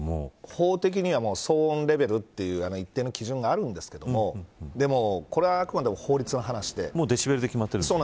法的には騒音レベルという一定の基準があるんですけどでもこれはあくまでも法律の話でもうデシベルで決まってるんですね。